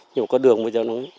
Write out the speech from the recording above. nhưng mà có đường bây giờ nó